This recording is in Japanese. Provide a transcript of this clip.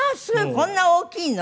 こんな大きいの？